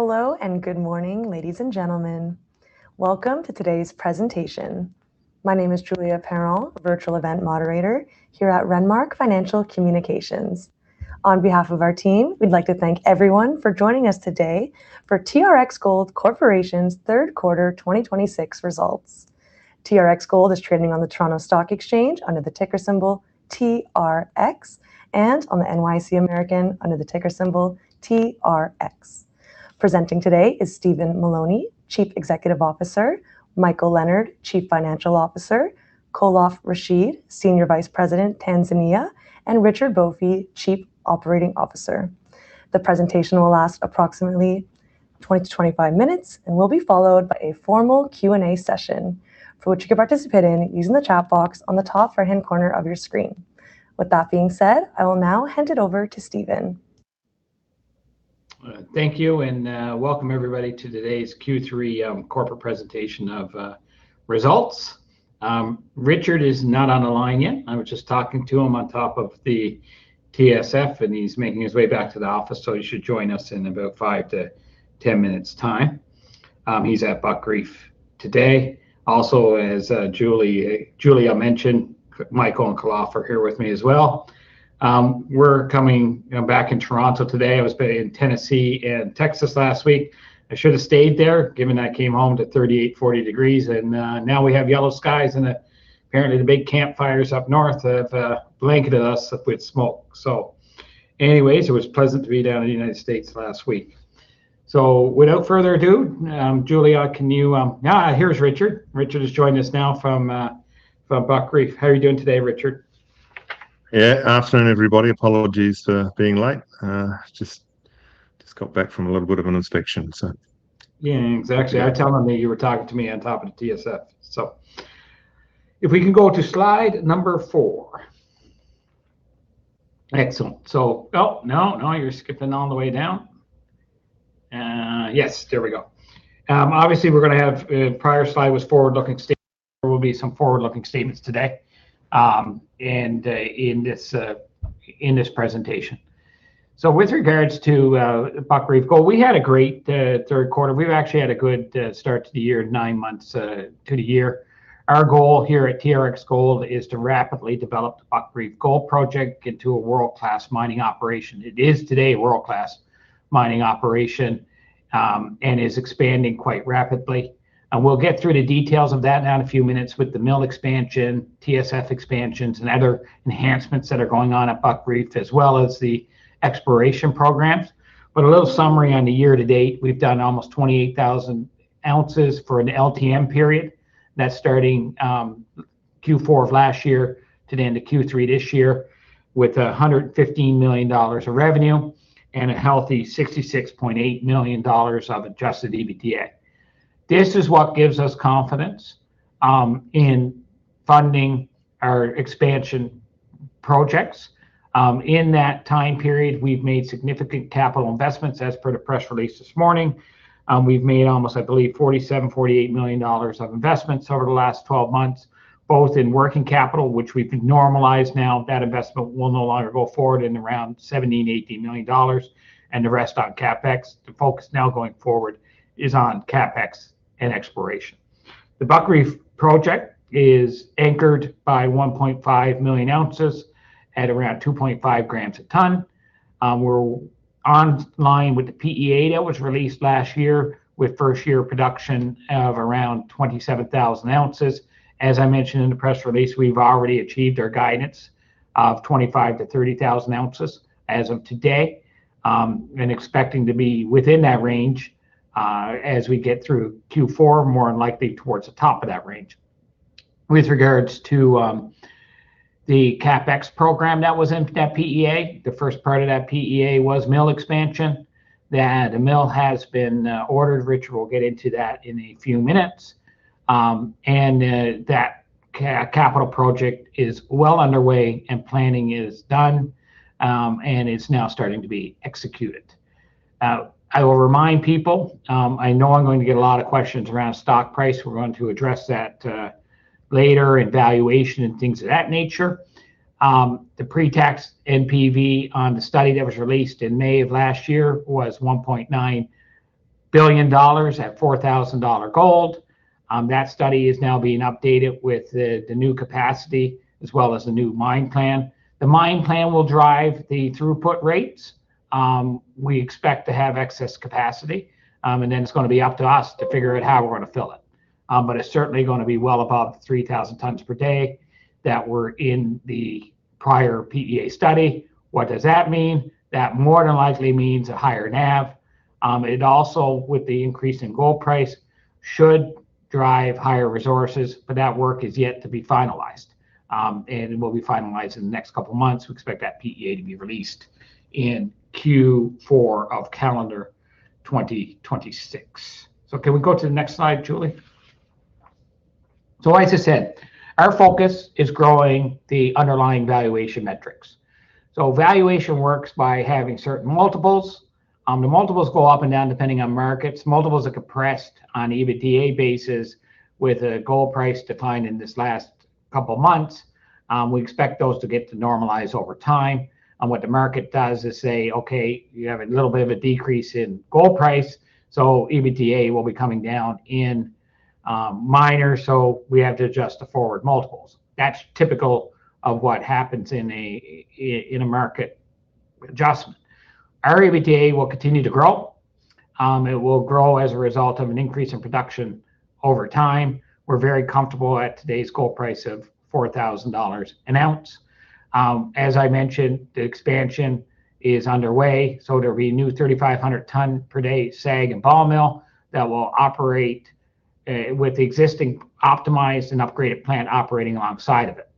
Hello, good morning, ladies and gentlemen. Welcome to today's presentation. My name is Julia Perron, Virtual Event Moderator here at Renmark Financial Communications. On behalf of our team, we'd like to thank everyone for joining us today for TRX Gold Corporation's third quarter 2026 results. TRX Gold is trading on the Toronto Stock Exchange under the ticker symbol TRX, on the NYSE American under the ticker symbol TRX. Presenting today is Stephen Mullowney, Chief Executive Officer, Michael Leonard, Chief Financial Officer, Khalaf Rashid, Senior Vice President, Tanzania, and Richard Boffey, Chief Operating Officer. The presentation will last approximately 20-25 minutes and will be followed by a formal Q&A session, for which you can participate in using the chat box on the top right-hand corner of your screen. I will now hand it over to Stephen. Thank you, welcome everybody to today's Q3 corporate presentation of results. Richard is not on the line yet. I was just talking to him on top of the TSF. He's making his way back to the office. He should join us in about 5-10 minutes' time. He's at Buckreef today. As Julia mentioned, Michael and Khalaf are here with me as well. We're coming back in Toronto today. I was in Tennessee and Texas last week. I should have stayed there, given that I came home to 38, 40 degrees. Now we have yellow skies. Apparently the big campfires up north have blanketed us up with smoke. Anyways, it was pleasant to be down in the United States last week. Without further ado, Julia. Here's Richard. Richard is joining us now from Buckreef. How are you doing today, Richard? Afternoon, everybody. Apologies for being late. Just got back from a little bit of an inspection. Yeah, exactly. I was telling them that you were talking to me on top of the TSF. If we can go to slide number four. Excellent. Oh, no. You're skipping all the way down. Yes, there we go. Obviously, the prior slide was forward-looking statements. There will be some forward-looking statements today in this presentation. With regards to Buckreef Gold, we had a great third quarter. We've actually had a good start to the year, nine months to the year. Our goal here at TRX Gold is to rapidly develop the Buckreef Gold Project into a world-class mining operation. It is today a world-class mining operation, and is expanding quite rapidly. We'll get through the details of that now in a few minutes with the mill expansion, TSF expansions, and other enhancements that are going on at Buckreef, as well as the exploration programs. A little summary on the year to date. We've done almost 28,000 oz for an LTM period. That's starting Q4 of last year to the end of Q3 this year, with $115 million of revenue and a healthy $66.8 million of adjusted EBITDA. This is what gives us confidence in funding our expansion projects. In that time period, we've made significant capital investments, as per the press release this morning. We've made almost, I believe, $47 million, $48 million of investments over the last 12 months, both in working capital, which we've normalized now. That investment will no longer go forward in around $17 million, $18 million, and the rest on CapEx. The focus now going forward is on CapEx and exploration. The Buckreef Project is anchored by 1.5 million ounces at around 2.5 g a ton. We're online with the PEA that was released last year, with first-year production of around 27,000 oz. As I mentioned in the press release, we've already achieved our guidance of 25,000-30,000 oz as of today, and expecting to be within that range as we get through Q4, more than likely towards the top of that range. With regards to the CapEx program that was in that PEA, the first part of that PEA was mill expansion. That mill has been ordered. Richard will get into that in a few minutes. That capital project is well underway and planning is done, and it's now starting to be executed. I will remind people, I know I'm going to get a lot of questions around stock price. We're going to address that later in valuation and things of that nature. The pre-tax NPV on the study that was released in May of last year was $1.9 billion at $4,000 gold. That study is now being updated with the new capacity as well as the new mine plan. The mine plan will drive the throughput rates. We expect to have excess capacity. It's going to be up to us to figure out how we're going to fill it. It's certainly going to be well above the 3,000 tons per day that were in the prior PEA study. What does that mean? That more than likely means a higher NAV. It also, with the increase in gold price, should drive higher resources, but that work is yet to be finalized, and it will be finalized in the next couple of months. We expect that PEA to be released in Q4 of calendar 2026. Can we go to the next slide, Julia? As I said, our focus is growing the underlying valuation metrics. Valuation works by having certain multiples. The multiples go up and down depending on markets. Multiples are compressed on EBITDA basis with the gold price decline in this last couple of months. We expect those to get to normalize over time. What the market does is say, okay, you have a little bit of a decrease in gold price, so EBITDA will be coming down, so we have to adjust the forward multiples. That's typical of what happens in a market adjustment. Our EBITDA will continue to grow. It will grow as a result of an increase in production over time. We're very comfortable at today's gold price of $4,000 an ounce. As I mentioned, the expansion is underway, it's a renewed 3,500 ton per day SAG and ball mill that will operate with the existing optimized and upgraded plant operating alongside of it.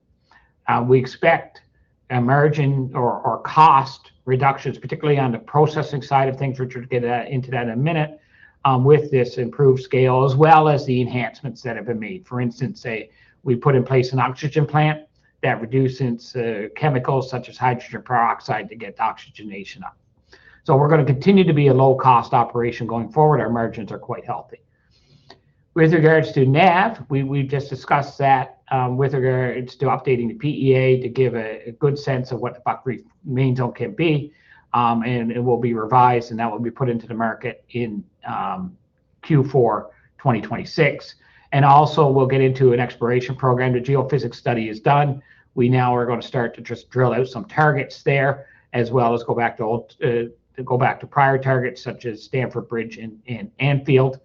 We expect a margin or cost reductions, particularly on the processing side of things, Richard will get into that in a minute, with this improved scale, as well as the enhancements that have been made. For instance, we put in place an oxygen plant that reduces chemicals such as hydrogen peroxide to get the oxygenation up. We're going to continue to be a low-cost operation going forward. Our margins are quite healthy. With regards to NAV, we've just discussed that with regards to updating the PEA to give a good sense of what the Buckreef main zone can be, and it will be revised, and that will be put into the market in Q4 2026. Also, we'll get into an exploration program. The geophysics study is done. We now are going to start to just drill out some targets there, as well as go back to prior targets such as Stamford Bridge and Anfield,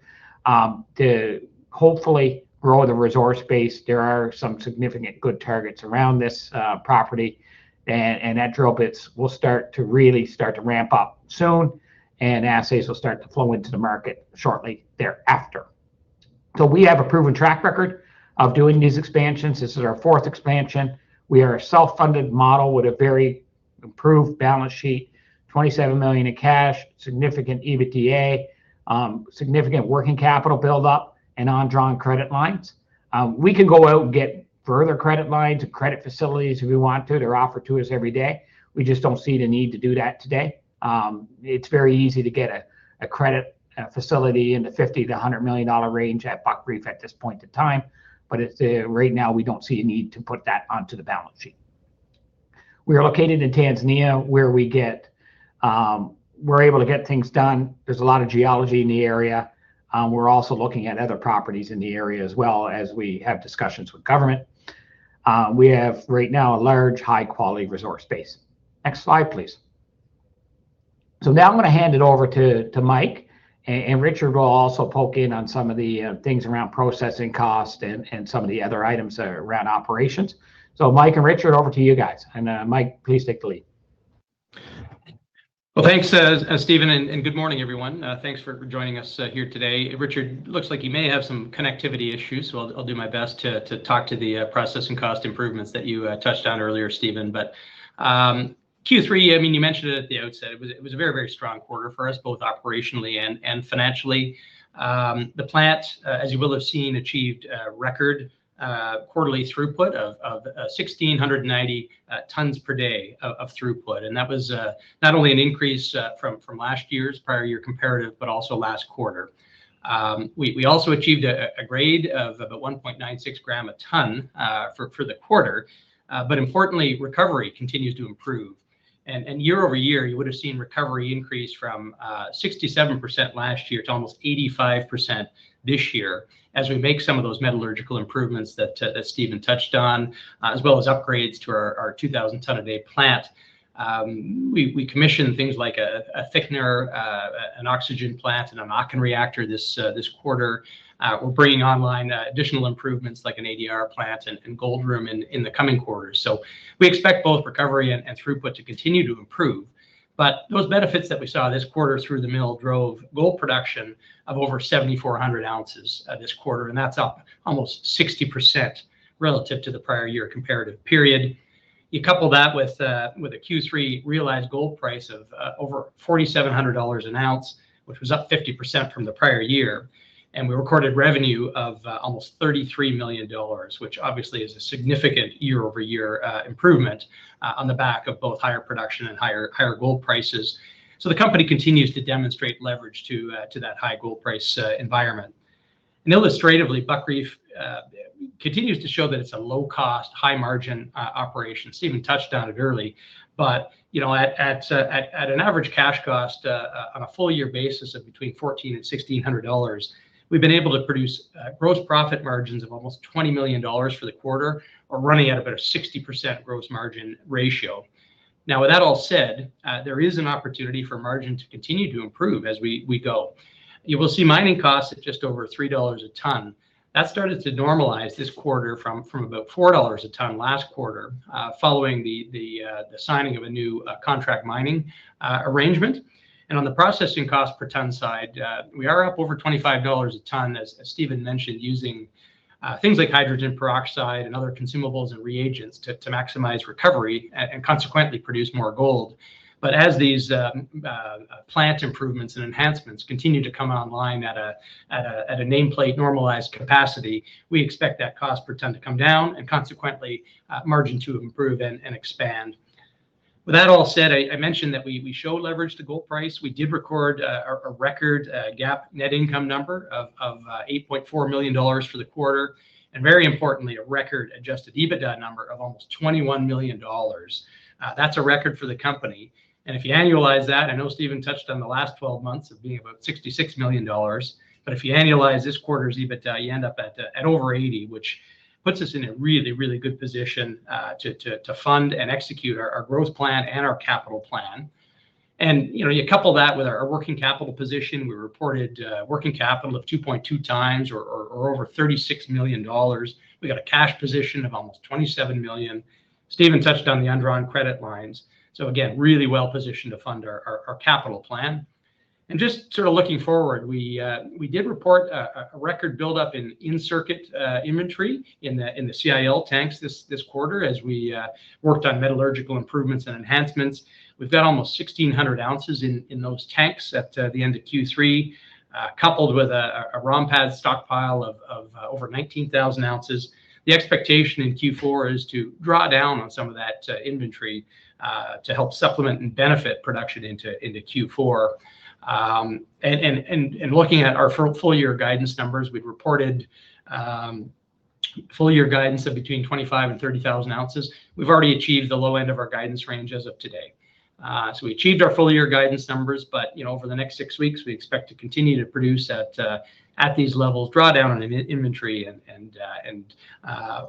to hopefully grow the resource base. There are some significant good targets around this property, and that drill bits will start to really ramp up soon, and assays will start to flow into the market shortly thereafter. We have a proven track record of doing these expansions. This is our fourth expansion. We are a self-funded model with a very improved balance sheet, $27 million of cash, significant EBITDA, significant working capital build-up, and undrawn credit lines. We can go out and get further credit lines or credit facilities if we want to. They're offered to us every day. We just don't see the need to do that today. It's very easy to get a credit facility in the $50 million-$100 million range at Buckreef at this point in time. Right now we don't see a need to put that onto the balance sheet. We are located in Tanzania, where we're able to get things done. There's a lot of geology in the area. We're also looking at other properties in the area as well, as we have discussions with government. We have right now a large, high-quality resource base. Next slide, please. Now I'm going to hand it over to Mike. Richard will also poke in on some of the things around processing cost and some of the other items around operations. Mike and Richard, over to you guys. Mike, please take the lead. Well, thanks, Stephen, good morning, everyone. Thanks for joining us here today. Richard, looks like you may have some connectivity issues. I'll do my best to talk to the processing cost improvements that you touched on earlier, Stephen. Q3, you mentioned it at the outset. It was a very, very strong quarter for us, both operationally and financially. The plant, as you will have seen, achieved record quarterly throughput of 1,690 tons per day of throughput. That was not only an increase from last year's prior year comparative, but also last quarter. We also achieved a grade of about 1.96 g a ton for the quarter. Importantly, recovery continues to improve. Year over year, you would have seen recovery increase from 67% last year to almost 85% this year as we make some of those metallurgical improvements that Stephen touched on, as well as upgrades to our 2,000 ton a day plant. We commissioned things like a thickener, an oxygen plant, and an Aachen Reactor this quarter. We're bringing online additional improvements like an ADR plant and gold room in the coming quarters. We expect both recovery and throughput to continue to improve. Those benefits that we saw this quarter through the mill drove gold production of over 7,400 oz this quarter. That's up almost 60% relative to the prior year comparative period. You couple that with a Q3 realized gold price of over $4,700 an ounce, which was up 50% from the prior year. We recorded revenue of almost $33 million, which obviously is a significant year-over-year improvement on the back of both higher production and higher gold prices. The company continues to demonstrate leverage to that high gold price environment. Illustratively, Buckreef continues to show that it's a low-cost, high-margin operation. Stephen touched on it early. At an average cash cost on a full-year basis of between $14 and $1,600, we've been able to produce gross profit margins of almost $20 million for the quarter. We're running at about a 60% gross margin ratio. Now, with that all said, there is an opportunity for margin to continue to improve as we go. You will see mining costs at just over $3 a ton. That started to normalize this quarter from about $4 a ton last quarter following the signing of a new contract mining arrangement. On the processing cost per ton side, we are up over $25 a ton, as Stephen mentioned, using things like hydrogen peroxide and other consumables and reagents to maximize recovery and consequently produce more gold. As these plant improvements and enhancements continue to come online at a nameplate normalized capacity, we expect that cost per ton to come down and consequently margin to improve and expand. With that all said, I mentioned that we show leverage to gold price. We did record a record GAAP net income number of $8.4 million for the quarter, and very importantly, a record adjusted EBITDA number of almost $21 million. That's a record for the company. If you annualize that, I know Stephen touched on the last 12 months of being about $66 million, but if you annualize this quarter's EBITDA, you end up at over $80 million, which puts us in a really, really good position to fund and execute our growth plan and our capital plan. You couple that with our working capital position, we reported working capital of 2.2 times or over $36 million. We got a cash position of almost $27 million. Stephen touched on the undrawn credit lines. Again, really well-positioned to fund our capital plan. Just sort of looking forward, we did report a record buildup in-circuit inventory in the CIL tanks this quarter as we worked on metallurgical improvements and enhancements. We've got almost 1,600 oz in those tanks at the end of Q3, coupled with a ROM pad stockpile of over 19,000 oz. The expectation in Q4 is to draw down on some of that inventory to help supplement and benefit production into Q4. In looking at our full year guidance numbers, we reported full year guidance of between 25,000 oz and oz. We've already achieved the low end of our guidance range as of today. We achieved our full year guidance numbers but, over the next six weeks, we expect to continue to produce at these levels, draw down on inventory and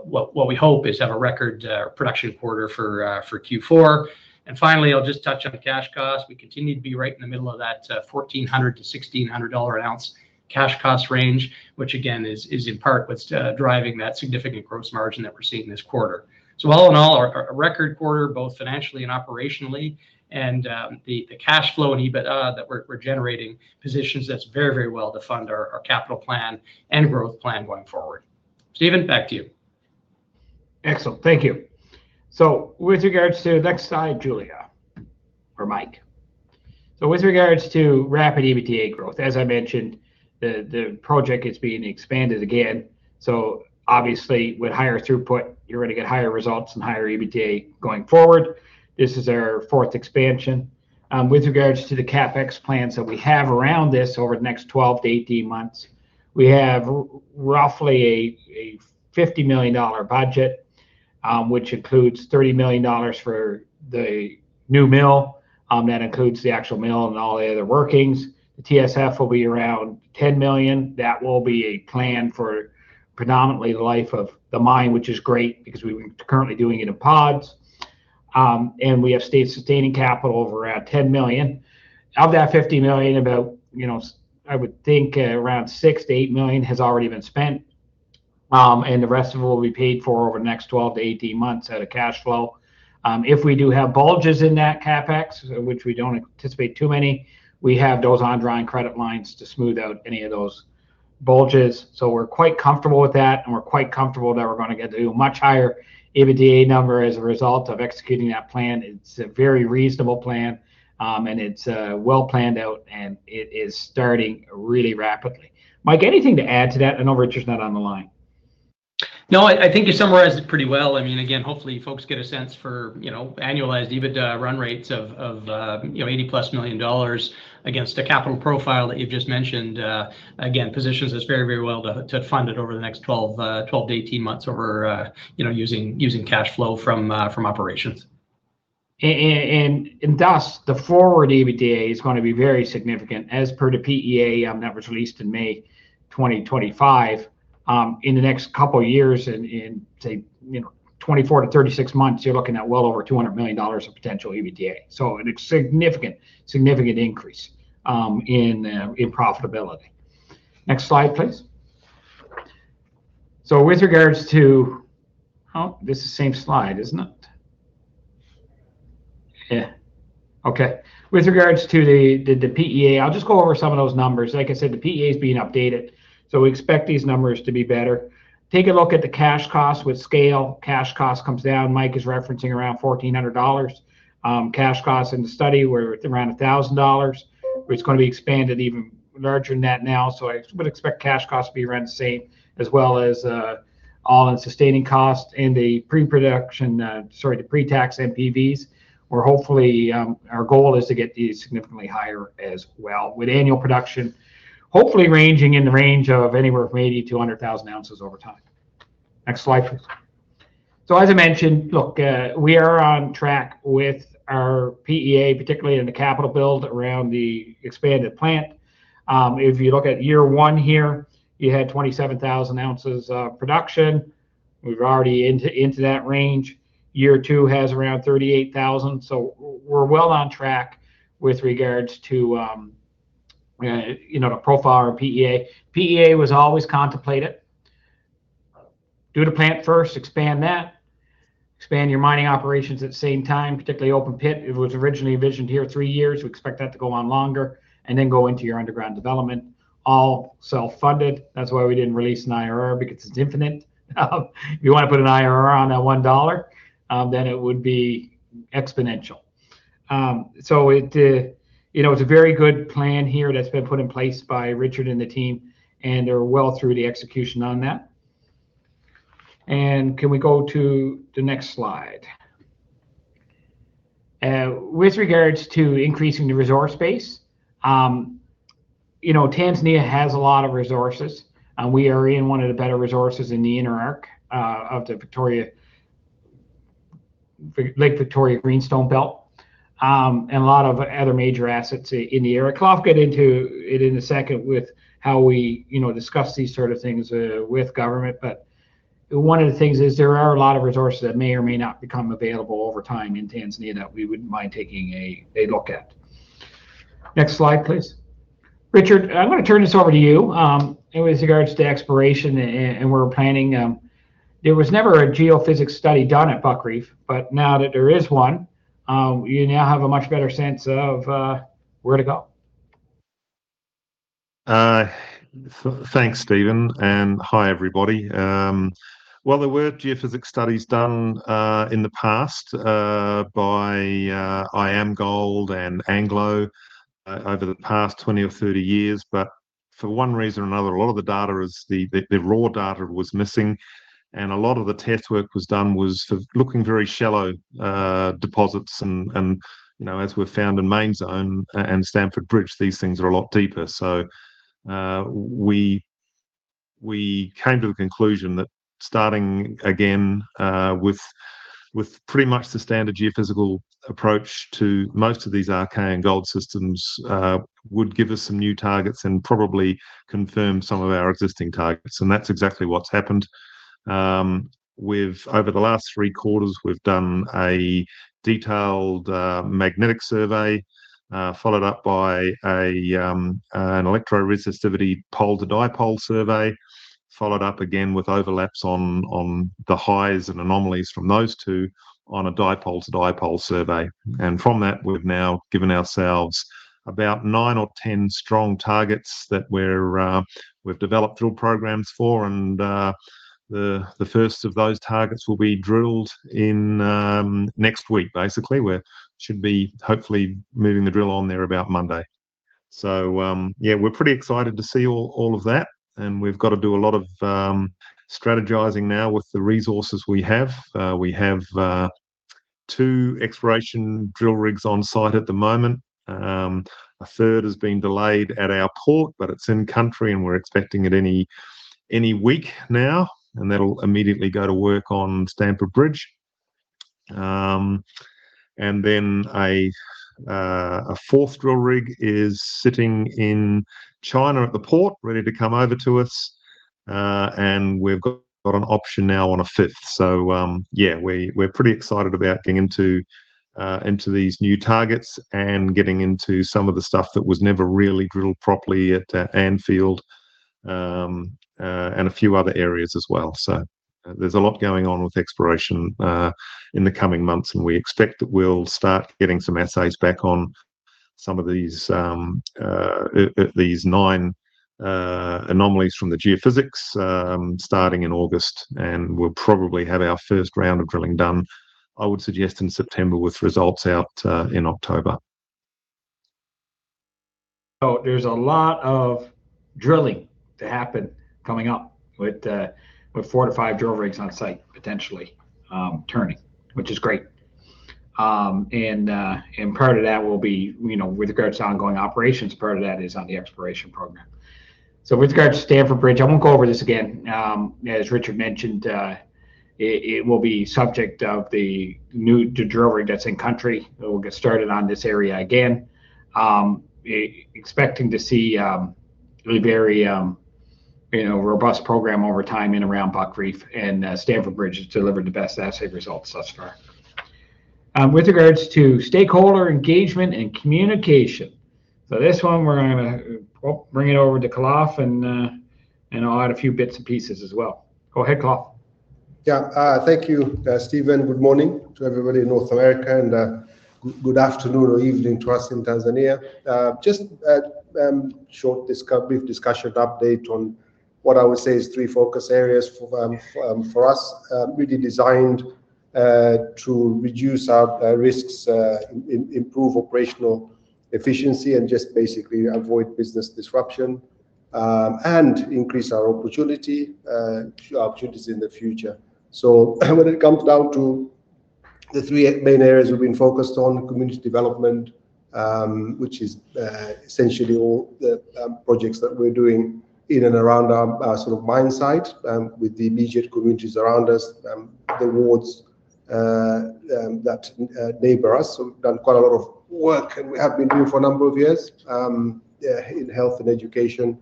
what we hope is have a record production quarter for Q4. Finally, I'll just touch on the cash cost. We continue to be right in the middle of that $1,400-$1,600 an ounce cash cost range, which again, is in part what's driving that significant gross margin that we're seeing this quarter. All in all, a record quarter, both financially and operationally, and the cash flow and EBITDA that we're generating positions us very well to fund our capital plan and growth plan going forward. Stephen, back to you. Excellent. Thank you. With regards to next slide, Julia or Mike. With regards to rapid EBITDA growth, as I mentioned, the project is being expanded again. Obviously with higher throughput, you're going to get higher results and higher EBITDA going forward. This is our fourth expansion. With regards to the CapEx plans that we have around this over the next 12-18 months, we have roughly a $50 million budget, which includes $30 million for the new mill. That includes the actual mill and all the other workings. The TSF will be around $10 million. That will be a plan for predominantly the life of the mine, which is great because we're currently doing it in pods. We have sustaining capital of around $10 million. Of that $50 million, about I would think around $6 million-$8 million has already been spent, and the rest of it will be paid for over the next 12-18 months out of cash flow. If we do have bulges in that CapEx, which we don't anticipate too many, we have those undrawn credit lines to smooth out any of those bulges. We're quite comfortable with that, and we're quite comfortable that we're going to get to a much higher EBITDA number as a result of executing that plan. It's a very reasonable plan, and it's well planned out and it is starting really rapidly. Mike, anything to add to that? I know Richard's not on the line. No, I think you summarized it pretty well. Again, hopefully folks get a sense for annualized EBITDA run rates of $80+ million against a capital profile that you've just mentioned. Again, positions us very well to fund it over the next 12-18 months over using cash flow from operations. Thus, the forward EBITDA is going to be very significant as per the PEA numbers released in May 2025. In the next couple of years, in say, 24-36 months, you're looking at well over $200 million of potential EBITDA. A significant increase in profitability. Next slide, please. With regards to this is the same slide, isn't it? Yeah. Okay. With regards to the PEA, I'll just go over some of those numbers. Like I said, the PEA is being updated, we expect these numbers to be better. Take a look at the cash cost with scale. Cash cost comes down. Mike is referencing around $1,400 cash cost in the study, we're at around $1,000, it's going to be expanded even larger than that now. I would expect cash cost to be around the same, as well as all-in sustaining cost and the pre-tax NPVs, where hopefully our goal is to get these significantly higher as well, with annual production hopefully ranging in the range of anywhere from 80,000-100,000 oz over time. Next slide, please. As I mentioned, look, we are on track with our PEA, particularly in the capital build around the expanded plant. If you look at year one here, you had 27,000 oz of production. We're already into that range. Year two has around 38,000 oz. We're well on track with regards to the profile or PEA. PEA was always contemplated. Do the plant first, expand that, expand your mining operations at the same time, particularly open pit. It was originally envisioned here three years. We expect that to go on longer, then go into your underground development, all self-funded. That's why we didn't release an IRR, because it's infinite. If you want to put an IRR on that $1, then it would be exponential. It's a very good plan here that's been put in place by Richard and the team, and are well through the execution on that. Can we go to the next slide? With regards to increasing the resource base, Tanzania has a lot of resources. We are in one of the better resources in the inner arc of the Lake Victoria Greenstone Belt, and a lot of other major assets in the area. Khalaf will get into it in a second with how we discuss these sort of things with government. One of the things is there are a lot of resources that may or may not become available over time in Tanzania that we wouldn't mind taking a look at. Next slide, please. Richard, I'm going to turn this over to you with regards to exploration and where we're planning. There was never a geophysics study done at Buckreef, now that there is one, you now have a much better sense of where to go. Thanks, Stephen. Hi, everybody. There were geophysics studies done in the past by IAMGOLD and Anglo over the past 20 or 30 years, for one reason or another, a lot of the raw data was missing, and a lot of the test work that was done was for looking at very shallow deposits. As we've found in Main Zone and Stamford Bridge, these things are a lot deeper. We came to the conclusion that starting again with pretty much the standard geophysical approach to most of these Archean gold systems would give us some new targets and probably confirm some of our existing targets. That's exactly what's happened. Over the last three quarters, we've done a detailed magnetic survey, followed up by an electroresistivity pole-to-dipole survey, followed up again with overlaps on the highs and anomalies from those two on a dipole-to-dipole survey. From that, we've now given ourselves about nine or 10 strong targets that we've developed drill programs for. The first of those targets will be drilled next week, basically. We should be hopefully moving the drill on there about Monday. Yeah, we're pretty excited to see all of that, and we've got to do a lot of strategizing now with the resources we have. We have two exploration drill rigs on-site at the moment. A third has been delayed at our port, but it's in-country, and we're expecting it any week now. That'll immediately go to work on Stamford Bridge. Then a fourth drill rig is sitting in China at the port, ready to come over to us. We've got an option now on a fifth. Yeah, we're pretty excited about getting into these new targets and getting into some of the stuff that was never really drilled properly at Anfield and a few other areas as well. There's a lot going on with exploration in the coming months, and we expect that we'll start getting some assays back on some of these nine anomalies from the geophysics starting in August. We'll probably have our first round of drilling done, I would suggest, in September, with results out in October. There's a lot of drilling to happen coming up with four to five drill rigs on-site potentially turning, which is great. Part of that will be with regards to ongoing operations, part of that is on the exploration program. With regard to Stamford Bridge, I won't go over this again. As Richard mentioned, it will be subject of the new drill rig that's in-country that will get started on this area again. Expecting to see a very robust program over time in and around Buckreef, and Stamford Bridge has delivered the best assay results thus far. With regards to stakeholder engagement and communication. This one, we're going to bring it over to Khalaf, and I'll add a few bits and pieces as well. Go ahead, Khalaf. Yeah. Thank you, Stephen. Good morning to everybody in North America, and good afternoon or evening to us in Tanzania. Just a short brief discussion update on what I would say is three focus areas for us. Really designed to reduce our risks, improve operational efficiency, and just basically avoid business disruption, and increase our opportunities in the future. When it comes down to the three main areas we've been focused on, community development, which is essentially all the projects that we're doing in and around our mine site with the immediate communities around us, the wards that neighbor us. We've done quite a lot of work, and we have been doing for a number of years in health and education,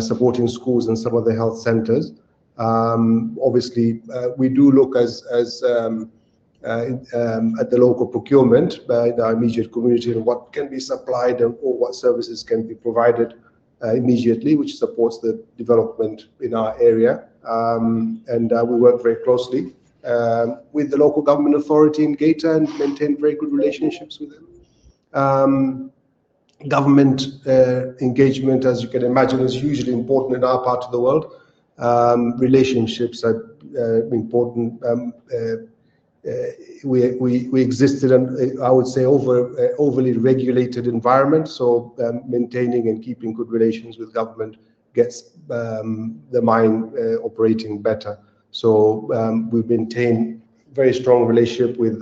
supporting schools and some of the health centers. Obviously, we do look at the local procurement by the immediate community and what can be supplied or what services can be provided immediately, which supports the development in our area. We work very closely with the local government authority in Geita and maintain very good relationships with them. Government engagement, as you can imagine, is hugely important in our part of the world. Relationships are important. We exist in, I would say, overly regulated environment, so maintaining and keeping good relations with government gets the mine operating better. We maintain very strong relationship with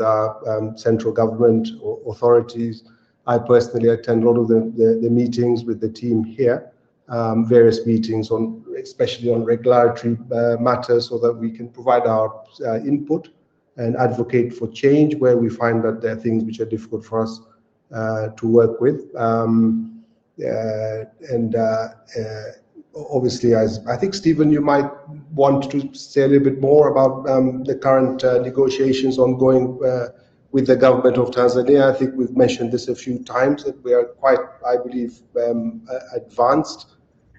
central government authorities. I personally attend a lot of the meetings with the team here, various meetings, especially on regulatory matters, so that we can provide our input and advocate for change where we find that there are things which are difficult for us to work with. Obviously, I think, Stephen, you might want to say a little bit more about the current negotiations ongoing with the government of Tanzania. I think we've mentioned this a few times that we are quite, I believe, advanced.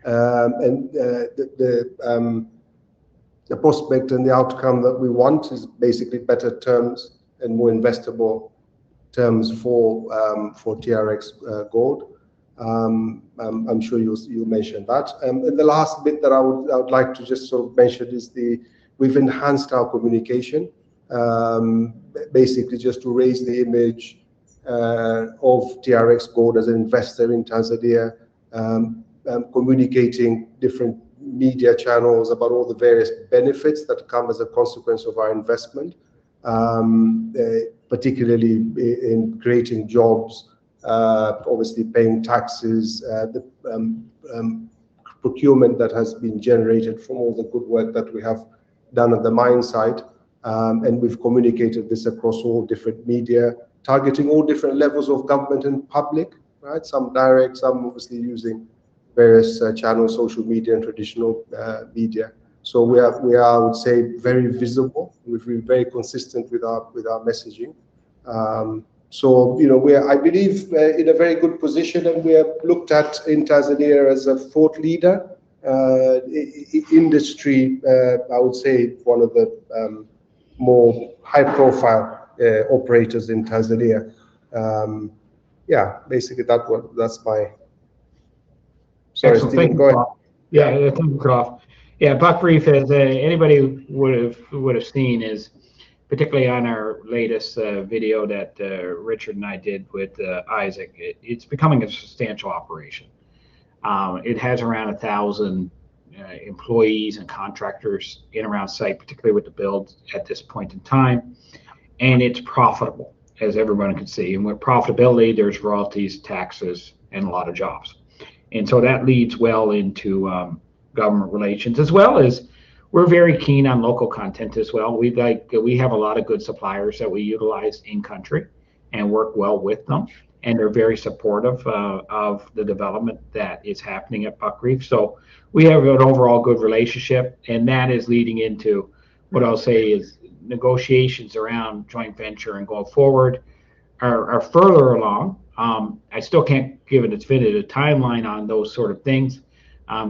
The prospect and the outcome that we want is basically better terms and more investable terms for TRX Gold. I'm sure you'll mention that. The last bit that I would like to just sort of mention is we've enhanced our communication. Basically just to raise the image of TRX Gold as an investor in Tanzania, communicating different media channels about all the various benefits that come as a consequence of our investment. Particularly in creating jobs, obviously paying taxes, the procurement that has been generated from all the good work that we have done at the mine site. We've communicated this across all different media, targeting all different levels of government and public. Some direct, some obviously using various channels, social media, and traditional media. We are, I would say, very visible. We've been very consistent with our messaging. I believe we're in a very good position, and we are looked at in Tanzania as a thought leader. Industry, I would say one of the more high-profile operators in Tanzania. Yeah. Yeah. Go ahead. I think we're off. Buckreef, anybody who would've seen is, particularly on our latest video that Richard and I did with Isaac, it's becoming a substantial operation. It has around 1,000 employees and contractors in around site, particularly with the build at this point in time. It's profitable, as everyone can see. With profitability, there's royalties, taxes, and a lot of jobs. That leads well into government relations as well as we're very keen on local content as well. We have a lot of good suppliers that we utilize in country and work well with them, and they're very supportive of the development that is happening at Buckreef. We have an overall good relationship, and that is leading into what I'll say is negotiations around joint venture and going forward are further along. I still can't give a definitive timeline on those sort of things,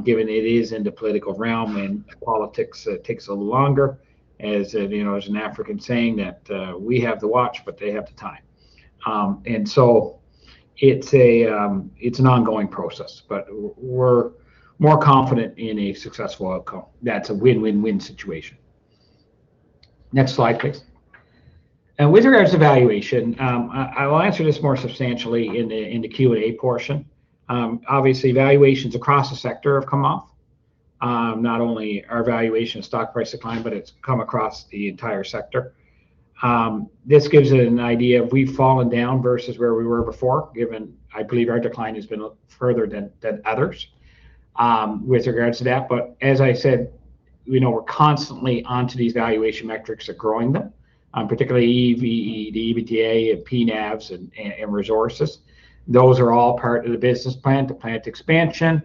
given it is in the political realm and politics takes a little longer. As an African saying that, "We have the watch, but they have the time." It's an ongoing process, but we're more confident in a successful outcome. That's a win-win-win situation. Next slide, please. With regards to valuation, I will answer this more substantially in the Q&A portion. Obviously, valuations across the sector have come off. Not only our valuation stock price decline, but it's come across the entire sector. This gives it an idea of we've fallen down versus where we were before given, I believe our decline has been further than others with regards to that. As I said, we're constantly onto these valuation metrics of growing them, particularly EV, the EBITDA, and P/NAVs, and resources. Those are all part of the business plan. The planned expansion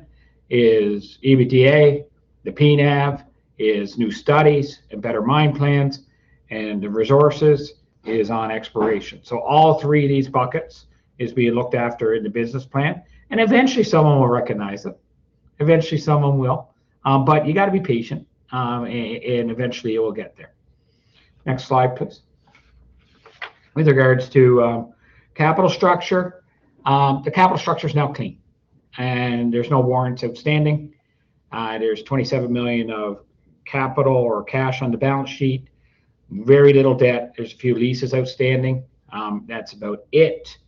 is EBITDA. The P/NAV is new studies and better mine plans, and the resources is on exploration. All three of these buckets is being looked after in the business plan, and eventually someone will recognize it. Eventually someone will. You got to be patient, and eventually it will get there. Next slide, please. With regards to capital structure, the capital structure's now clean and there's no warrants outstanding. There's $27 million of capital or cash on the balance sheet. Very little debt. There's a few leases outstanding. That's about it.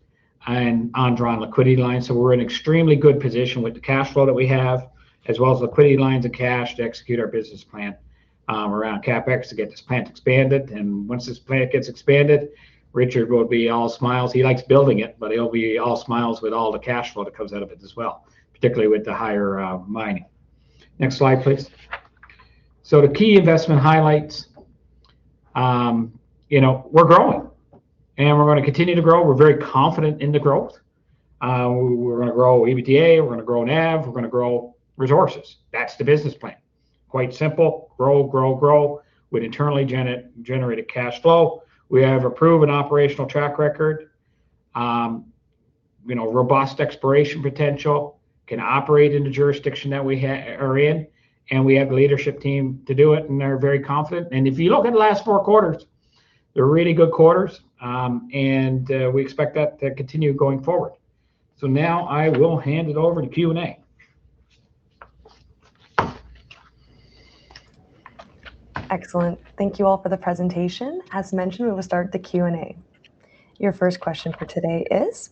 On drawing liquidity lines, we're in extremely good position with the cash flow that we have, as well as liquidity lines of cash to execute our business plan around CapEx to get this plant expanded. Once this plant gets expanded, Richard will be all smiles. He likes building it, but he'll be all smiles with all the cash flow that comes out of it as well, particularly with the higher mining. Next slide, please. The key investment highlights. We're growing, and we're going to continue to grow. We're very confident in the growth. We're going to grow EBITDA, we're going to grow NAV, we're going to grow resources. That's the business plan. Quite simple. Grow, grow with internally-generated cash flow. We have a proven operational track record. Robust exploration potential, can operate in the jurisdiction that we are in, and we have a leadership team to do it, and they're very confident. If you look at the last four quarters, they're really good quarters. We expect that to continue going forward. Now I will hand it over to Q&A. Excellent. Thank you all for the presentation. As mentioned, we will start the Q&A. Your first question for today is: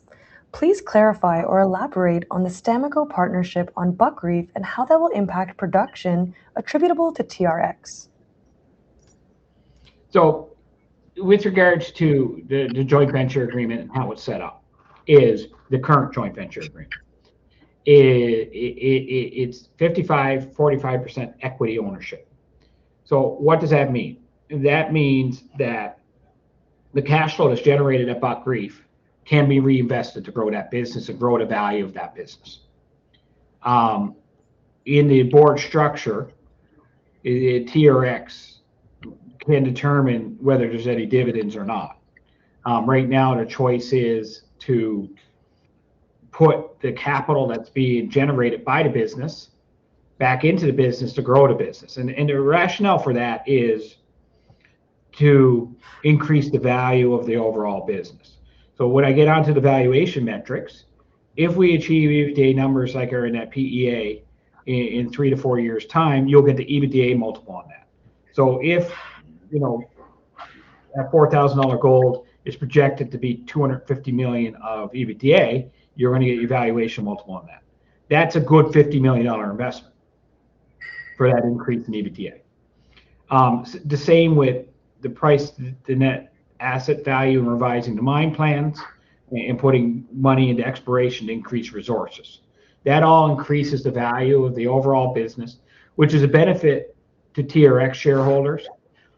please clarify or elaborate on the STAMICO partnership on Buckreef and how that will impact production attributable to TRX. With regards to the joint venture agreement and how it's set up is the current joint venture agreement. It's 55%-45% equity ownership. What does that mean? That means that the cash flow that's generated at Buckreef can be reinvested to grow that business and grow the value of that business. In the board structure, TRX can determine whether there's any dividends or not. Right now, the choice is to put the capital that's being generated by the business back into the business to grow the business. The rationale for that is to increase the value of the overall business. When I get onto the valuation metrics, if we achieve EBITDA numbers like are in that PEA in three to four years' time, you'll get the EBITDA multiple on that. If that $4,000 gold is projected to be $250 million of EBITDA, you're going to get your valuation multiple on that. That's a good $50 million investment for that increase in EBITDA. The same with the price, the net asset value, and revising the mine plans and putting money into exploration to increase resources. That all increases the value of the overall business, which is a benefit to TRX shareholders.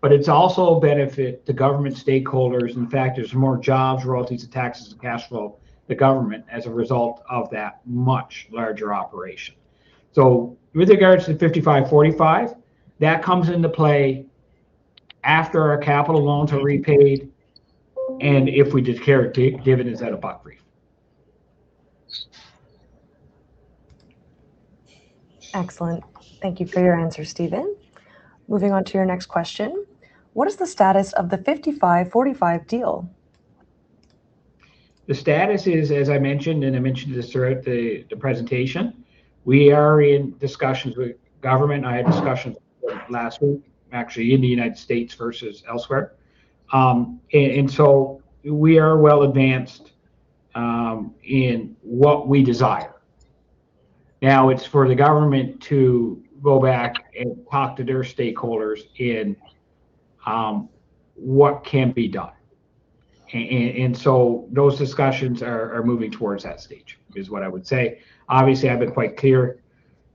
It's also a benefit to government stakeholders. In fact, there's more jobs relative to taxes and cash flow, the government, as a result of that much larger operation. With regards to the 55/45, that comes into play after our capital loans are repaid and if we declare dividends out of Buckreef. Excellent. Thank you for your answer, Stephen. Moving on to your next question. What is the status of the 55/45 deal? The status is, as I mentioned, I mentioned this throughout the presentation, we are in discussions with government. I had discussions last week, actually, in the United States versus elsewhere. So we are well advanced in what we desire. Now it is for the government to go back and talk to their stakeholders in what can be done. So those discussions are moving towards that stage, is what I would say. Obviously, I have been quite clear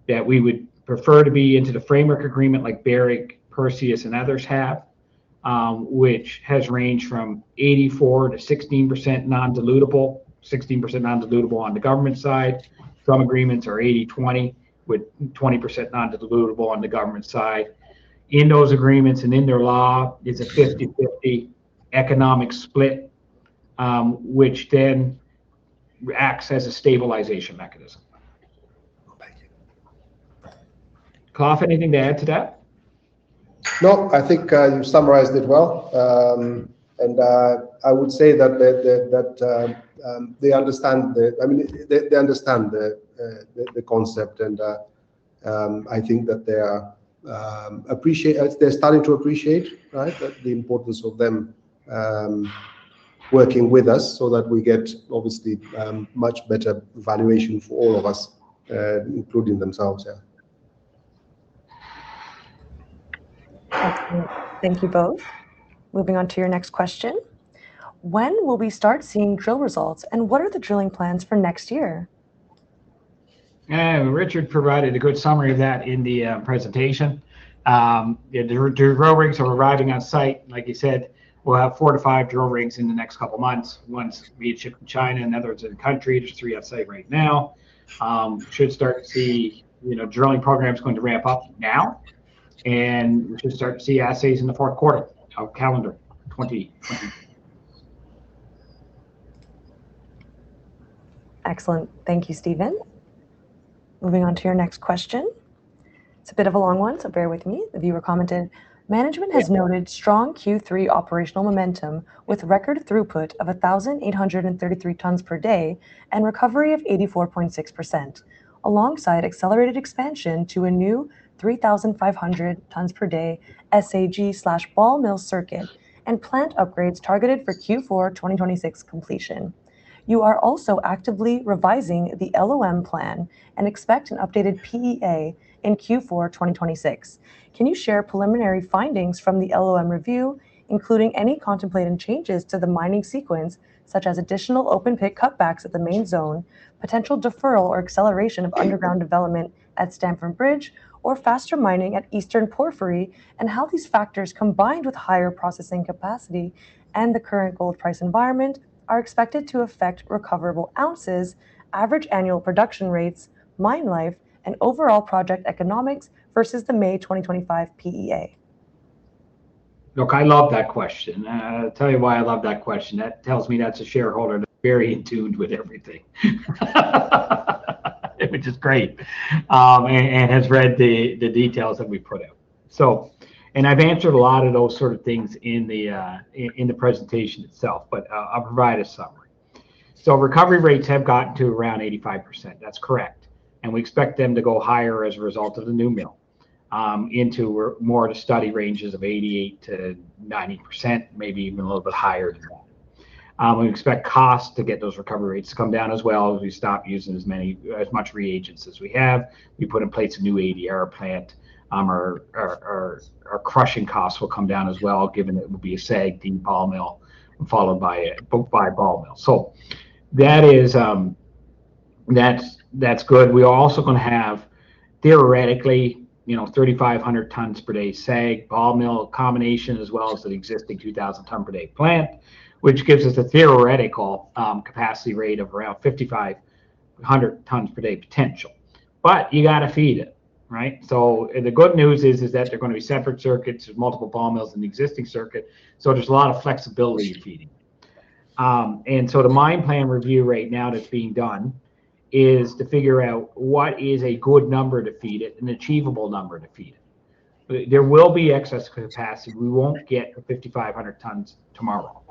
that we would prefer to be into the framework agreement like Barrick, Perseus, and others have, which has ranged from 84%-16% non-dilutable on the government side. Some agreements are 80/20, with 20% non-dilutable on the government side. In those agreements and in their law is a 50/50 economic split, which then acts as a stabilization mechanism. Khalaf, anything to add to that? No, I think you summarized it well. I would say that they understand the concept. I think that they are starting to appreciate, right, the importance of them working with us so that we get, obviously, much better valuation for all of us, including themselves, yeah. Excellent. Thank you both. Moving on to your next question. When will we start seeing drill results, and what are the drilling plans for next year? Richard provided a good summary of that in the presentation. The drill rigs are arriving on site. Like he said, we will have four to five drill rigs in the next couple of months. One is being shipped from China, and the other is in country. There are three on site right now. Should start to see drilling programs going to ramp up now. We should start to see assays in the fourth quarter of calendar 2026. Excellent. Thank you, Stephen. Moving on to your next question. It's a bit of a long one, bear with me. The viewer commented, "Management has noted strong Q3 operational momentum with record throughput of 1,833 tons per day and recovery of 84.6%, alongside accelerated expansion to a new 3,500 tons per day SAG/ball mill circuit and plant upgrades targeted for Q4 2026 completion. You are also actively revising the LOM plan and expect an updated PEA in Q4 2026. Can you share preliminary findings from the LOM review, including any contemplated changes to the mining sequence, such as additional open pit cutbacks at the main zone, potential deferral or acceleration of underground development at Stamford Bridge, or faster mining at Eastern Porphyry, and how these factors, combined with higher processing capacity and the current gold price environment, are expected to affect recoverable ounces, average annual production rates, mine life, and overall project economics versus the May 2025 PEA?" Look, I love that question. I'll tell you why I love that question. That tells me that's a shareholder that's very in tuned with everything, which is great, and has read the details that we put out. I've answered a lot of those sort of things in the presentation itself, but I'll provide a summary. Recovery rates have gotten to around 85%. That's correct. We expect them to go higher as a result of the new mill, into more the study ranges of 88%-90%, maybe even a little bit higher than that. We expect cost to get those recovery rates to come down as well, as we stop using as much reagents as we have. We put in place a new ADR plant. Our crushing costs will come down as well, given that it will be a SAG and ball mill followed by a ball mill. That's good. We are also going to have, theoretically, 3,500 tons per day SAG/ball mill combination, as well as the existing 2,000 ton per day plant, which gives us a theoretical capacity rate of around 5,500 tons per day potential. You got to feed it, right? The good news is that they're going to be separate circuits. There's multiple ball mills in the existing circuit, there's a lot of flexibility feeding. The mine plan review right now that's being done is to figure out what is a good number to feed it, an achievable number to feed it. There will be excess capacity. We won't get the 5,500 tons tomorrow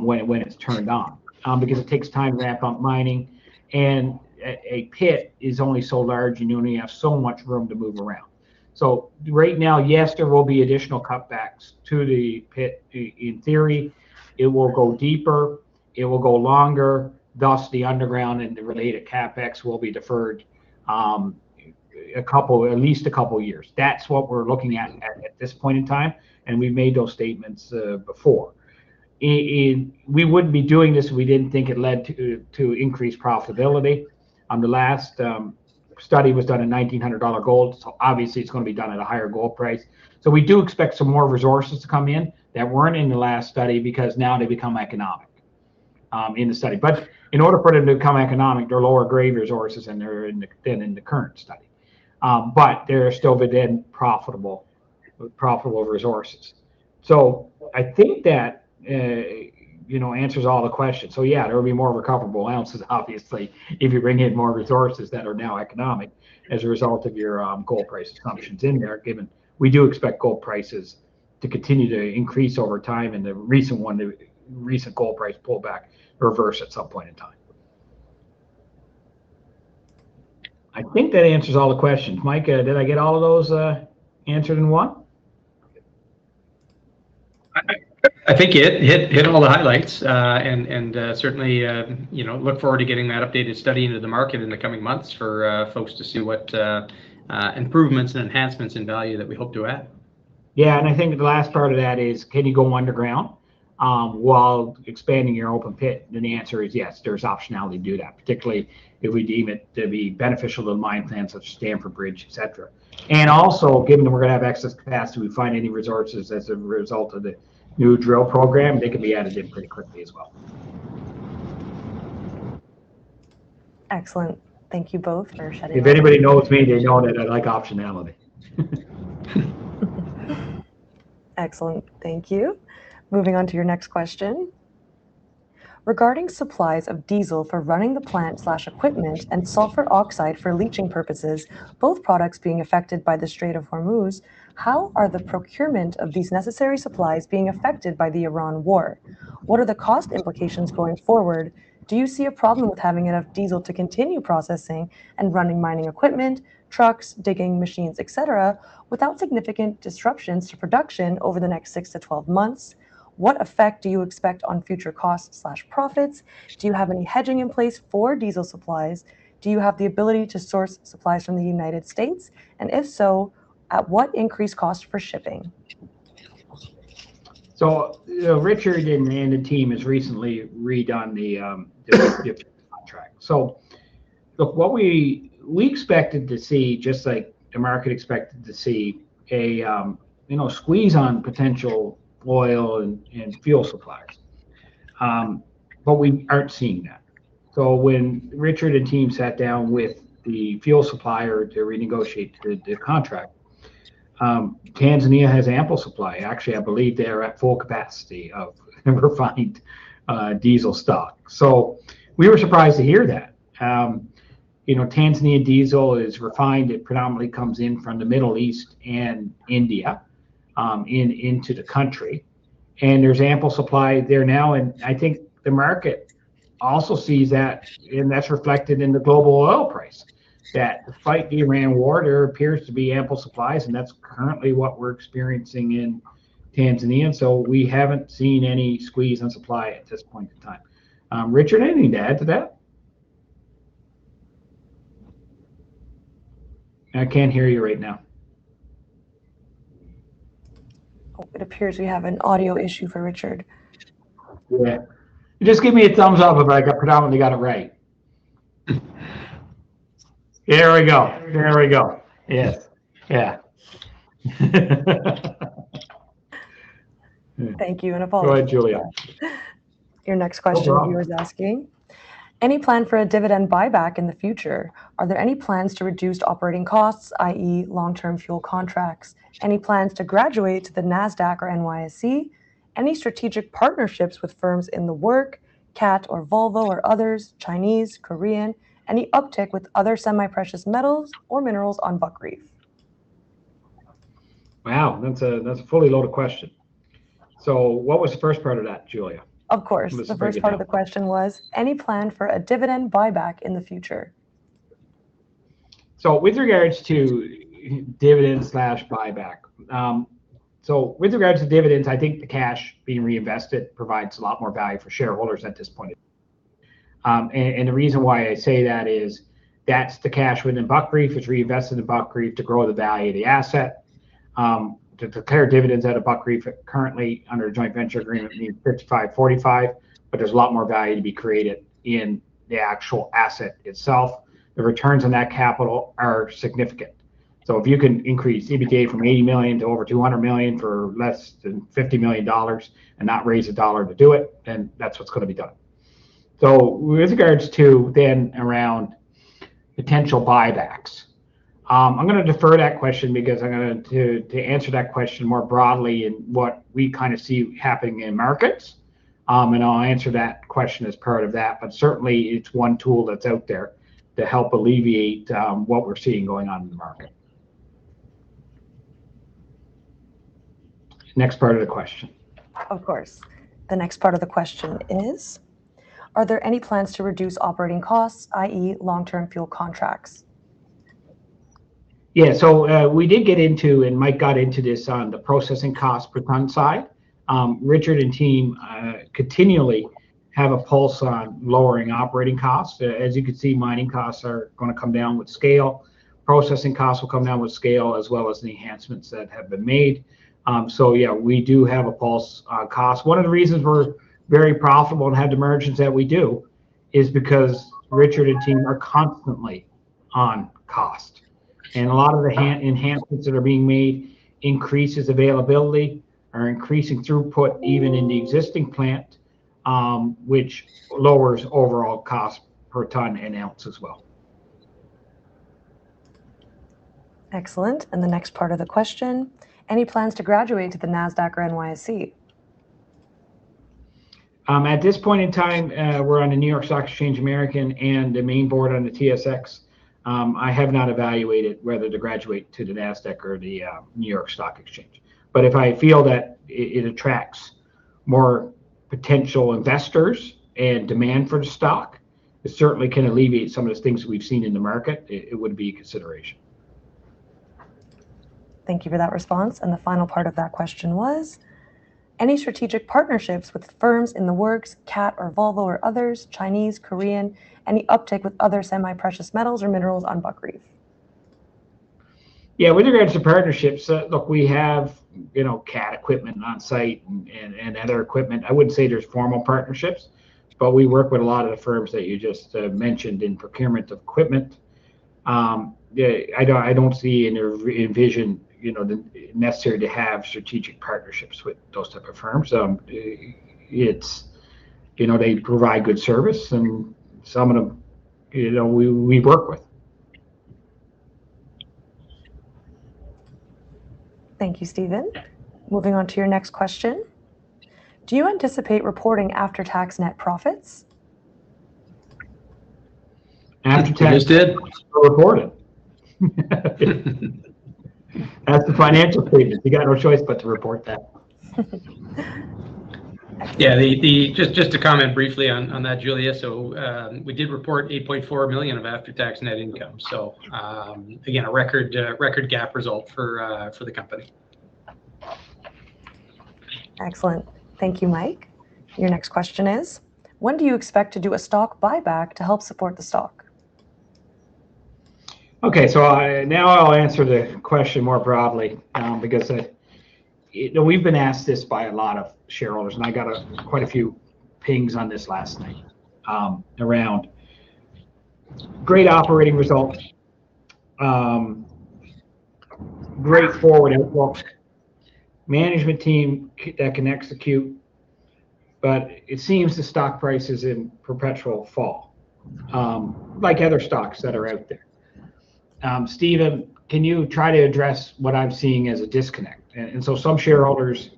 when it's turned on, because it takes time to ramp up mining, and a pit is only so large, and you only have so much room to move around. Right now, yes, there will be additional cutbacks to the pit. In theory, it will go deeper, it will go longer. Thus, the underground and the related CapEx will be deferred at least a couple of years. That's what we're looking at this point in time, and we've made those statements before. We wouldn't be doing this if we didn't think it led to increased profitability. The last study was done at $1,900 gold, obviously it's going to be done at a higher gold price. We do expect some more resources to come in that weren't in the last study, because now they become economic in the study. In order for them to become economic, they're lower-grade resources than in the current study. They're still within profitable resources. I think that answers all the questions. Yeah, there will be more recoverable ounces, obviously, if you bring in more resources that are now economic as a result of your gold prices assumptions in there, given we do expect gold prices to continue to increase over time, and the recent gold price pullback reverse at some point in time. I think that answers all the questions. Mike, did I get all of those answered in one? I think you hit all the highlights, certainly, look forward to getting that updated study into the market in the coming months for folks to see what improvements and enhancements in value that we hope to add. Yeah, I think the last part of that is can you go underground while expanding your open pit? The answer is yes, there's optionality to do that, particularly if we deem it to be beneficial to the mine plans of Stamford Bridge, et cetera. Also, given that we're going to have excess capacity, we find any resources as a result of the new drill program, they can be added in pretty quickly as well. Excellent. Thank you both for shedding. If anybody knows me, they know that I like optionality. Excellent. Thank you. Moving on to your next question. "Regarding supplies of diesel for running the plant/equipment and sulfur oxide for leaching purposes, both products being affected by the Strait of Hormuz, how are the procurement of these necessary supplies being affected by the Iran war? What are the cost implications going forward? Do you see a problem with having enough diesel to continue processing and running mining equipment, trucks, digging machines, et cetera, without significant disruptions to production over the next 6-12 months? What effect do you expect on future costs/profits? Do you have any hedging in place for diesel supplies? Do you have the ability to source supplies from the United States? If so, at what increased cost for shipping?" Richard and the team has recently redone the contract. Look, what we expected to see, just like the market expected to see, a squeeze on potential oil and fuel suppliers. We aren't seeing that. When Richard and team sat down with the fuel supplier to renegotiate the contract, Tanzania has ample supply. Actually, I believe they are at full capacity of refined diesel stock. We were surprised to hear that. Tanzania diesel is refined, it predominantly comes in from the Middle East and India, into the country, and there's ample supply there now. I think the market also sees that, and that's reflected in the global oil price, that despite the Iran war, there appears to be ample supplies, and that's currently what we're experiencing in Tanzania. We haven't seen any squeeze on supply at this point in time. Richard, anything to add to that? I can't hear you right now. Oh, it appears we have an audio issue for Richard. Yeah. Just give me a thumbs up if I predominantly got it right. There we go. Yes. Yeah. Thank you. Apologies. Go ahead, Julia. Your next question. No problem. A viewer is asking, "Any plan for a dividend buyback in the future? Are there any plans to reduce operating costs, i.e., long-term fuel contracts? Any plans to graduate to the Nasdaq or NYSE? Any strategic partnerships with firms in the work, CAT or Volvo or others, Chinese, Korean? Any uptick with other semi-precious metals or minerals on Buckreef?" Wow, that's a fully loaded question. What was the first part of that, Julia? Of course. It was the bigger part. The first part of the question was, any plan for a dividend buyback in the future? With regards to dividend/buyback, with regards to dividends, I think the cash being reinvested provides a lot more value for shareholders at this point. The reason why I say that is that's the cash within Buckreef. It's reinvested in Buckreef to grow the value of the asset, to declare dividends out of Buckreef currently under a joint venture agreement being 55/45, there's a lot more value to be created in the actual asset itself. The returns on that capital are significant. If you can increase EBITDA from $80 million to over $200 million for less than $50 million and not raise a dollar to do it, that's what's going to be done. With regards to then around potential buybacks, I'm going to defer that question because to answer that question more broadly in what we see happening in markets, I'll answer that question as part of that, certainly it's one tool that's out there to help alleviate what we're seeing going on in the market. Next part of the question. Of course. The next part of the question is, are there any plans to reduce operating costs, i.e., long-term fuel contracts? Yeah. We did get into, Mike got into this on the processing cost per ton side. Richard and team continually have a pulse on lowering operating costs. You can see, mining costs are going to come down with scale. Processing costs will come down with scale, as well as the enhancements that have been made. Yeah, we do have a pulse on cost. One of the reasons we're very profitable and had the margins that we do is because Richard and team are constantly on cost. A lot of the enhancements that are being made increases availability or increasing throughput even in the existing plant, which lowers overall cost per ton and ounce as well. Excellent, the next part of the question, any plans to graduate to the Nasdaq or NYSE? At this point in time, we're on a New York Stock Exchange American and the main board on the TSX. I have not evaluated whether to graduate to the Nasdaq or the New York Stock Exchange. If I feel that it attracts more potential investors and demand for the stock, it certainly can alleviate some of the things that we've seen in the market. It would be a consideration. Thank you for that response, the final part of that question was, any strategic partnerships with firms in the works, CAT or Volvo or others, Chinese, Korean? Any uptick with other semi-precious metals or minerals on Buckreef? Yeah, with regards to partnerships, look, we have CAT equipment on site and other equipment. I wouldn't say there's formal partnerships, but we work with a lot of the firms that you just mentioned in procurement of equipment. I don't see or envision it necessary to have strategic partnerships with those type of firms. They provide good service and some of them we work with. Thank you, Stephen. Moving on to your next question. Do you anticipate reporting after-tax net profits? After tax. Just did We're reporting. Ask the financial team. You got no choice but to report that. Just to comment briefly on that, Julia. We did report $8.4 million of after-tax net income. Again, a record GAAP result for the company. Excellent. Thank you, Mike. Your next question is, when do you expect to do a stock buyback to help support the stock? Okay, now I'll answer the question more broadly because we've been asked this by a lot of shareholders, and I got quite a few pings on this last night, around great operating results, great forward outlook, management team that can execute, but it seems the stock price is in perpetual fall, like other stocks that are out there. "Stephen, can you try to address what I'm seeing as a disconnect?" Some shareholders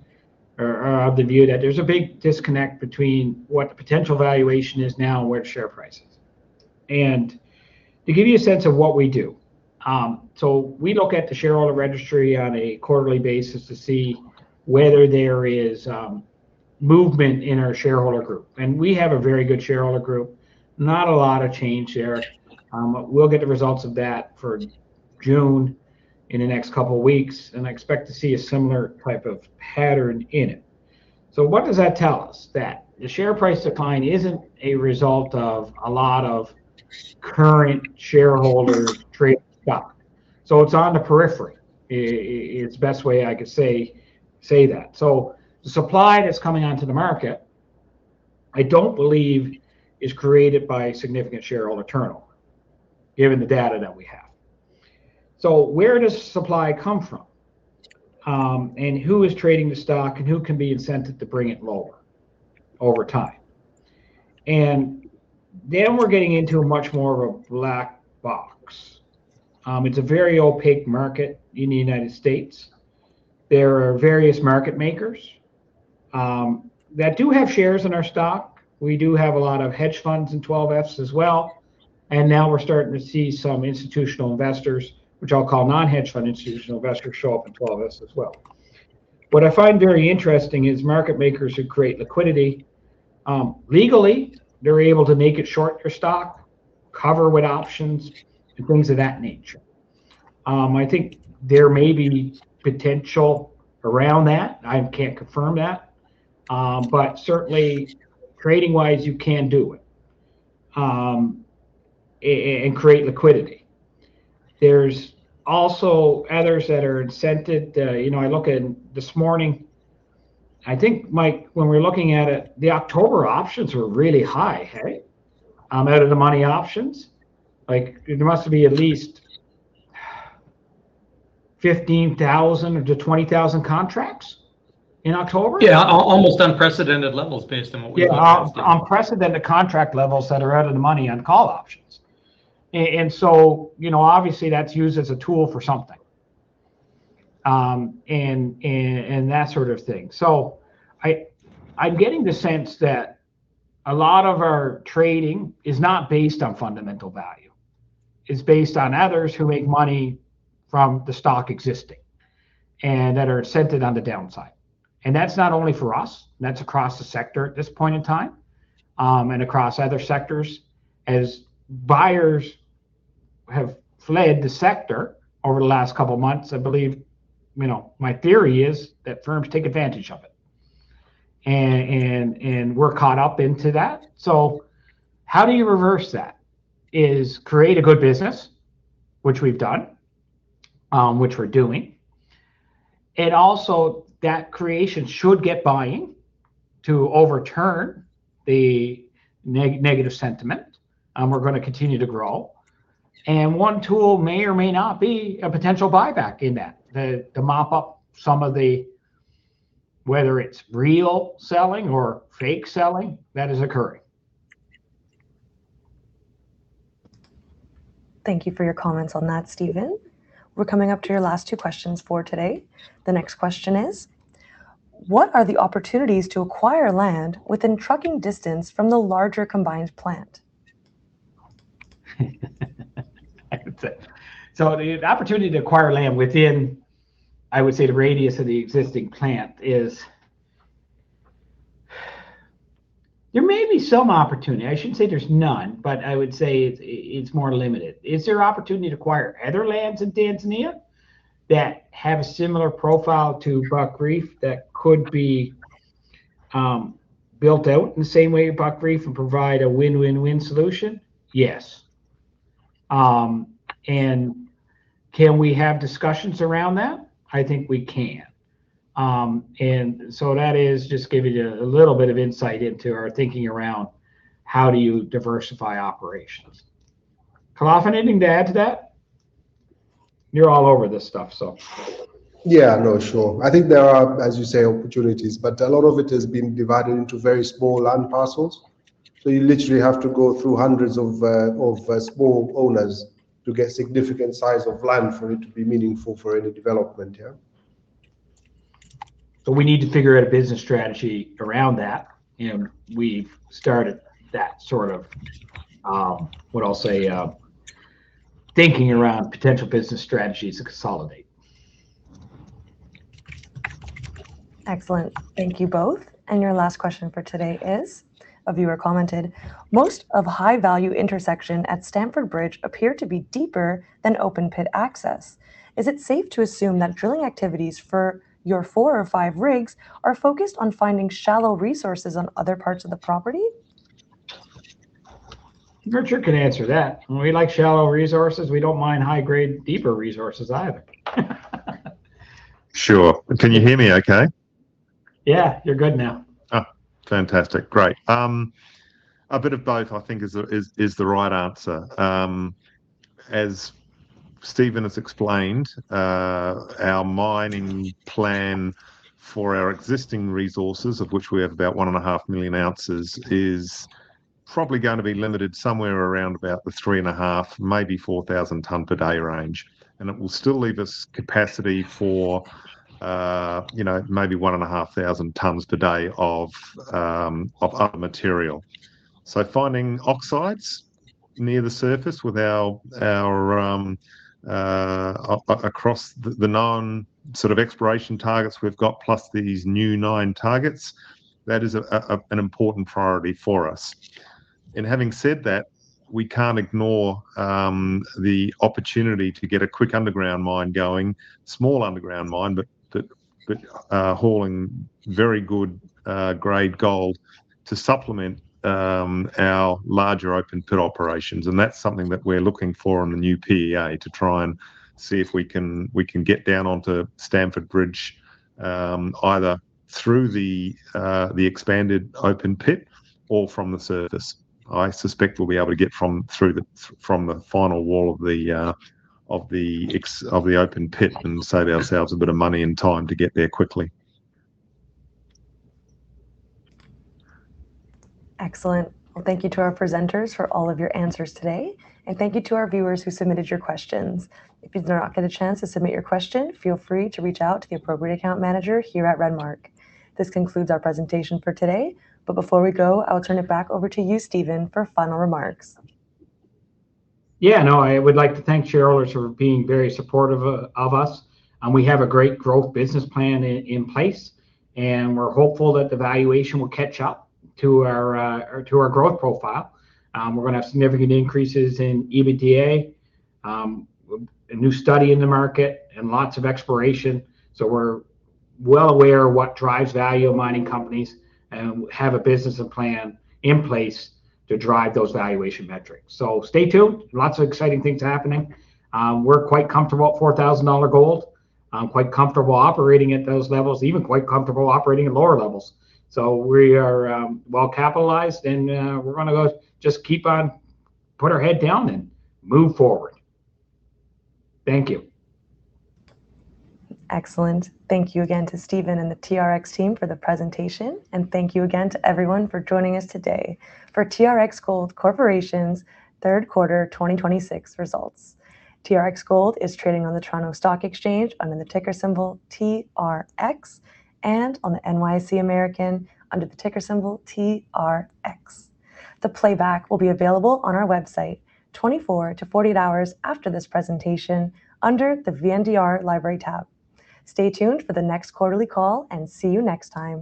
are of the view that there's a big disconnect between what the potential valuation is now and where the share price is. To give you a sense of what we do, so we look at the shareholder registry on a quarterly basis to see whether there is movement in our shareholder group, and we have a very good shareholder group. Not a lot of change there. We'll get the results of that for June in the next couple of weeks, I expect to see a similar type of pattern in it. What does that tell us? That the share price decline isn't a result of a lot of current shareholder trading stock. It's on the periphery. It's the best way I could say that. The supply that's coming onto the market, I don't believe is created by a significant shareholder turnover, given the data that we have. Where does supply come from? Who is trading the stock and who can be incented to bring it lower over time? Then we're getting into much more of a black box. It's a very opaque market in the U.S. There are various market makers that do have shares in our stock. We do have a lot of hedge funds and 13F as well. Now we're starting to see some institutional investors, which I'll call non-hedge fund institutional investors, show up in 13F as well. What I find very interesting is market makers who create liquidity. Legally, they're able to naked short your stock, cover with options, and things of that nature. I think there may be potential around that. I can't confirm that. Certainly, trading-wise, you can do it, and create liquidity. There's also others that are incented. I look this morning, I think, Mike, when we're looking at it, the October options were really high, hey, out of the money options. There must be at least 15,000-20,000 contracts in October. Yeah, almost unprecedented levels based on what we've seen. Yeah. Unprecedented contract levels that are out of the money on call options. Obviously, that's used as a tool for something, and that sort of thing. I'm getting the sense that a lot of our trading is not based on fundamental value. It's based on others who make money from the stock existing, and that are incented on the downside. That's not only for us. That's across the sector at this point in time, and across other sectors. As buyers have fled the sector over the last couple of months, I believe my theory is that firms take advantage of it, and we're caught up into that. How do you reverse that? Is create a good business, which we've done, which we're doing. Also, that creation should get buying to overturn the negative sentiment. We're going to continue to grow, and one tool may or may not be a potential buyback in that, to mop up some of the, whether it's real selling or fake selling that is occurring. Thank you for your comments on that, Stephen. We're coming up to your last two questions for today. The next question is, "What are the opportunities to acquire land within trucking distance from the larger combined plant?" I can take that. The opportunity to acquire land within, I would say, the radius of the existing plant. There may be some opportunity. I shouldn't say there's none, but I would say it's more limited. Is there opportunity to acquire other lands in Tanzania that have a similar profile to Buckreef that could be built out in the same way as Buckreef and provide a win-win-win solution? Yes. Can we have discussions around that? I think we can. That is just giving you a little bit of insight into our thinking around how do you diversify operations. Khalaf, anything to add to that? You're all over this stuff, so. Yeah. No, sure. I think there are, as you say, opportunities, but a lot of it has been divided into very small land parcels. You literally have to go through hundreds of small owners to get significant size of land for it to be meaningful for any development, yeah. We need to figure out a business strategy around that, and we've started that sort of, what I'll say, thinking around potential business strategies to consolidate. Excellent. Thank you both. Your last question for today is, a viewer commented, "Most of high-value intersection at Stamford Bridge appear to be deeper than open pit access. Is it safe to assume that drilling activities for your four or five rigs are focused on finding shallow resources on other parts of the property?" Richard can answer that. We like shallow resources. We don't mind high-grade deeper resources either. Sure. Can you hear me okay? Yeah, you're good now. Oh, fantastic. Great. A bit of both, I think, is the right answer. As Stephen has explained, our mining plan for our existing resources, of which we have about 1.5 million ounces, is probably going to be limited somewhere around about the 3,500, maybe 4,000 tons per day range. It will still leave us capacity for maybe 1,500 tons per day of other material. Finding oxides near the surface with our across the known sort of exploration targets we've got, plus these new nine targets, that is an important priority for us. Having said that, we can't ignore the opportunity to get a quick underground mine going. Small underground mine, but hauling very good grade gold to supplement our larger open pit operations. That's something that we're looking for on the new PEA to try and see if we can get down onto Stamford Bridge, either through the expanded open pit or from the surface. I suspect we'll be able to get from the final wall of the open pit and save ourselves a bit of money and time to get there quickly. Excellent. Well, thank you to our presenters for all of your answers today, and thank you to our viewers who submitted your questions. If you did not get a chance to submit your question, feel free to reach out to the appropriate account manager here at Renmark. This concludes our presentation for today. Before we go, I will turn it back over to you, Stephen, for final remarks. I would like to thank shareholders for being very supportive of us. We have a great growth business plan in place, and we're hopeful that the valuation will catch up to our growth profile. We're going to have significant increases in EBITDA, a new study in the market, and lots of exploration. We're well aware of what drives value of mining companies, and have a business and plan in place to drive those valuation metrics. Stay tuned. Lots of exciting things happening. We're quite comfortable at $4,000 gold, quite comfortable operating at those levels, even quite comfortable operating at lower levels. We are well capitalized, and we're going to just keep on, put our head down and move forward. Thank you. Excellent. Thank you again to Stephen and the TRX team for the presentation. Thank you again to everyone for joining us today for TRX Gold Corporation's third quarter 2026 results. TRX Gold is trading on the Toronto Stock Exchange under the ticker symbol TRX, and on the NYSE American under the ticker symbol TRX. The playback will be available on our website 24-48 hours after this presentation under the Investor library tab. Stay tuned for the next quarterly call and see you next time.